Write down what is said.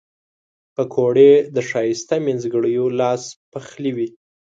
پکورې د ښایسته مینځګړیو لاس پخلي وي